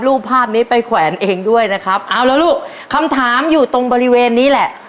รูปภาพนี้ไปแขวนเองด้วยนะครับเอาแล้วลูกคำถามอยู่ตรงบริเวณนี้แหละ